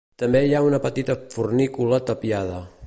També hi ha una petita fornícula tapiada.